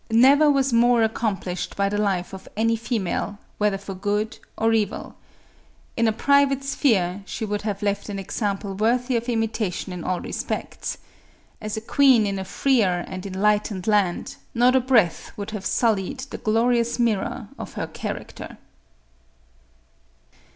Never was more accomplished by the life of any female, whether for good or evil. In a private sphere, she would have left an example worthy of imitation in all respects. As a queen in a freer and enlightened land, not a breath would have sullied the glorious mirror of her character.